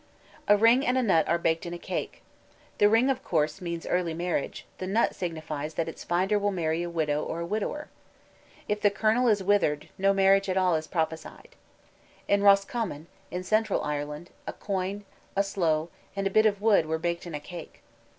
A ring and a nut are baked in a cake. The ring of course means early marriage, the nut signifies that its finder will marry a widow or a widower. If the kernel is withered, no marriage at all is prophesied. In Roscommon, in central Ireland, a coin, a sloe, and a bit of wood were baked in a cake.